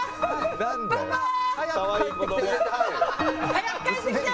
「早く帰ってきて」。